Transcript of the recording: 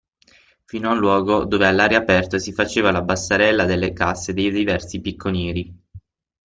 Fino al luogo dove all'aria aperta si faceva la basterella delle casse dei diversi picconieri.